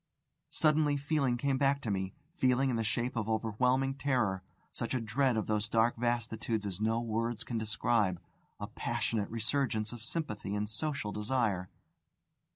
Suddenly feeling came back to me feeling in the shape of overwhelming terror; such a dread of those dark vastitudes as no words can describe, a passionate resurgence of sympathy and social desire.